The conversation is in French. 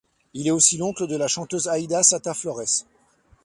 Il est aussi l'oncle de la chanteuse Aida Satta Flores.